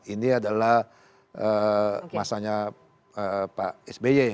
ini adalah masanya pak sby